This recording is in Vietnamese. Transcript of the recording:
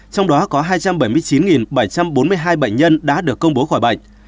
trong đó có hai trăm bảy mươi chín bảy trăm bốn mươi hai bệnh nhân đã được công bố khỏi bệnh